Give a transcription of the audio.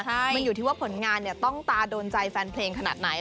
มันอยู่ที่ว่าผลงานต้องตาโดนใจแฟนเพลงขนาดไหน